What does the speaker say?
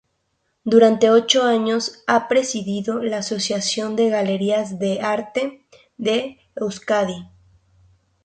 Durante ocho años ha presidido la Asociación de Galerías de Arte de Euskadi.